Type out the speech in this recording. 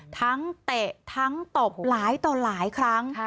เตะทั้งตบหลายต่อหลายครั้ง